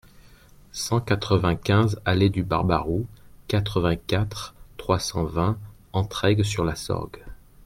cent quatre-vingt-quinze allée du Barbaroux, quatre-vingt-quatre, trois cent vingt, Entraigues-sur-la-Sorgue